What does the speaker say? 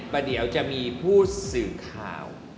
เดี๋ยวจะมีผู้สื่อข่าว